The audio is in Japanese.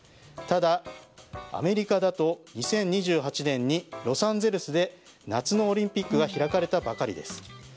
ただ、アメリカだと２０２８年にロサンゼルスで夏のオリンピックが開かれたばかりです。